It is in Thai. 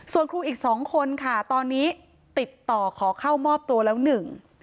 ส่วนครูอีกสองคนค่ะตอนนี้ติดต่อขอเข้ามอบตัวแล้วหนึ่ง